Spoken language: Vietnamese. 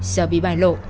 sợ bị bài lộ